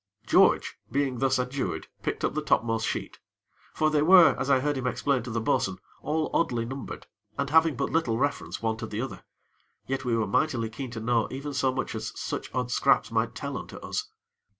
George, being thus adjured, picked up the topmost sheet; for they were, as I heard him explain to the bo'sun, all oddly numbered, and having but little reference one to the other. Yet we were mightily keen to know even so much as such odd scraps might tell unto us.